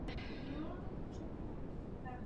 Narodil se v Los Angeles.